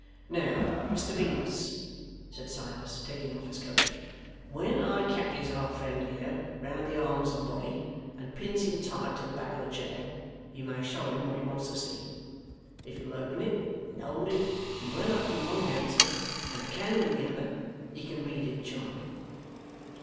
'Now, Mr Venus,' said Silas, taking off his coat, 'when I catches our friend here round the arms and body, and pins him tight to the back of the chair, you may show him what he wants to see. If you'll open it and hold it well up in one hand, sir, and a candle in the other, he can read it charming.